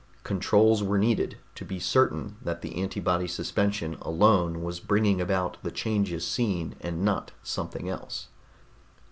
Controls were needed, to be certain that the antibody suspension alone was bringing about the changes seen and not something else.